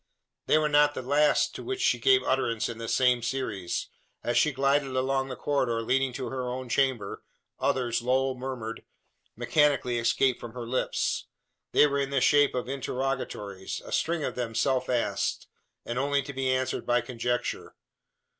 They were not the last to which she gave utterance in that same series. As she glided along the corridor leading to her own chamber, others, low murmured, mechanically escaped from her lips. They were in the shape of interrogatories a string of them self asked, and only to be answered by conjecture.